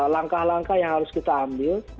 langkah langkah yang harus kita ambil